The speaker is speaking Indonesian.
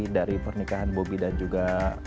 dari pernikahan bobi dan juga